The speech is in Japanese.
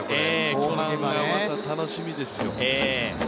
後半がまた楽しみですよ。